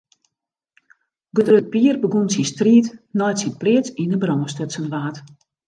Grutte Pier begûn syn striid nei't syn pleats yn 'e brân stutsen waard.